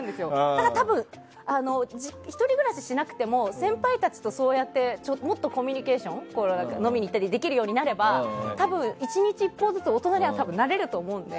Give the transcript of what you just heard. だから、多分１人暮らししなくても先輩たちと、そうやってもっとコミュニケーションとか飲みに行ったりできるようになれば多分、１日一歩ずつ大人にはなれると思うので。